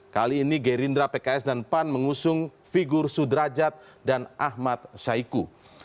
kali ini gerindra pks dan pan mengusung figur sudrajat dan ahmad syaiq